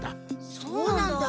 そうなんだ。